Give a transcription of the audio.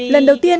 lần đầu tiên